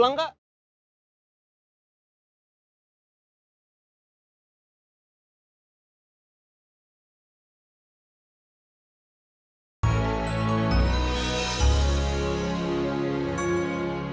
di arcight ya ketemu lagi